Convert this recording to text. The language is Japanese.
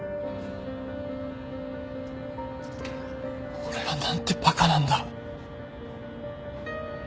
俺はなんてバカなんだ。